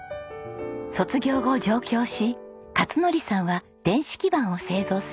卒業後上京し勝則さんは電子基板を製造する会社に。